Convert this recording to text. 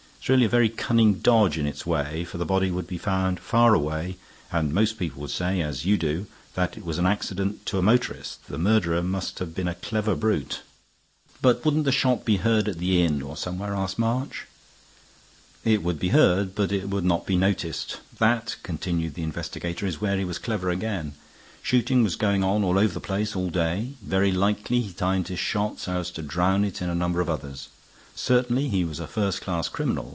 It's really a very cunning dodge in its way; for the body would be found far away, and most people would say, as you do, that it was an accident to a motorist. The murderer must have been a clever brute." "But wouldn't the shot be heard at the inn or somewhere?" asked March. "It would be heard. But it would not be noticed. That," continued the investigator, "is where he was clever again. Shooting was going on all over the place all day; very likely he timed his shot so as to drown it in a number of others. Certainly he was a first class criminal.